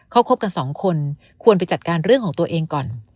เขาคบกันสองคนควรไปจัดการเรื่องของตัวเองก่อน